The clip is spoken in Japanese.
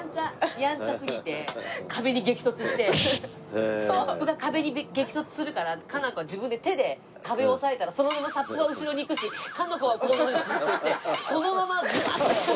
やんちゃすぎて壁に激突してサップが壁に激突するから佳菜子は自分で手で壁を押えたらそのままサップは後ろに行くし佳菜子はこのままだしっていってそのままズバッと。